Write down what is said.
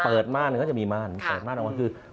ม่านก็จะมีม่านเปิดม่านออกมาคือ